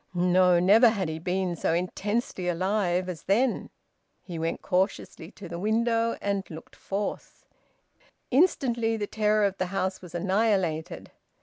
No! Never had he been so intensely alive as then! He went cautiously to the window and looked forth. Instantly the terror of the house was annihilated.